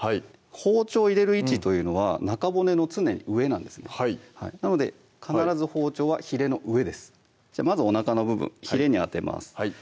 包丁を入れる位置というのは中骨の常に上なんですねはいなので必ず包丁はひれの上ですまずおなかの部分ひれに当てます